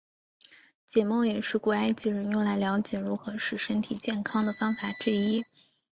解梦也是古埃及人用来瞭解如何使身体健康的方法之一。